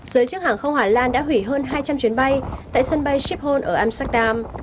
giới chức hàng không hà lan đã hủy hơn hai trăm linh chuyến bay tại sân bay shiphone ở amsterdam